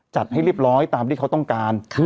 ให้เรียบร้อยตามที่เขาต้องการ